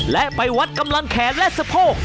และไปวัดกำลังแขนและสะโพก